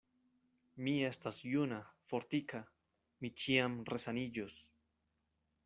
Mi estas juna, fortika; mi ĉiam resaniĝos.